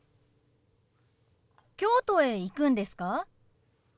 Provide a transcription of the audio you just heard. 京都へ行くんですか？